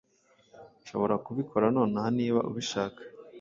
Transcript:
Nshobora kubikora nonaha niba ubishaka.